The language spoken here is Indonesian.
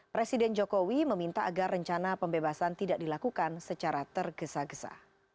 presiden jokowi meminta agar rencana pembebasan tidak dilakukan secara tergesa gesa